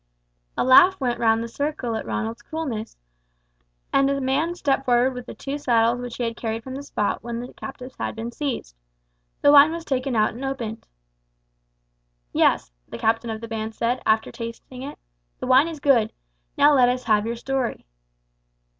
A laugh went round the circle at Ronald's coolness, and a man stepped forward with the two saddles which he had carried from the spot when the captives had been seized. The wine was taken out and opened. "Yes," the captain of the band said, after tasting it, "the wine is good; now let us have your story."